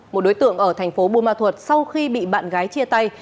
một đối tượng ở thành phố buôn ma thuật sau khi bị bạn gái chia tay